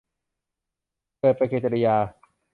เกิดปฏิกิริยา